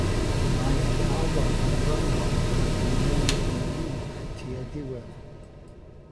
Mae ei alwad yn rhygnol, ac yn mynd yn uwch tua'r diwedd.